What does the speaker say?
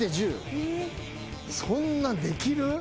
そんなんできる？